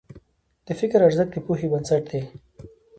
د فکر ارزښت د پوهې بنسټ دی.